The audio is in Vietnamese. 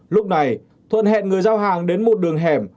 lúc này thuận hẹn người giao hàng đến một đường hẻm